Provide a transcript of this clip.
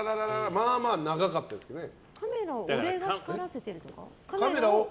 まあまあ長かったですけどね。